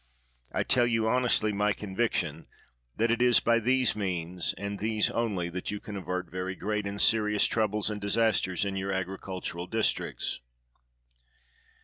I tell you honestly my conviction, that it is by these means, and these only, that you can avert very great and serious troubles and disasters in your agricultural districts.